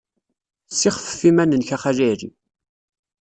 Ssixfef iman-nnek a Xali Ɛli.